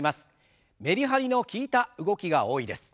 メリハリの利いた動きが多いです。